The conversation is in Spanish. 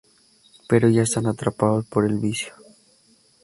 Pero ya están atrapados por el vicio.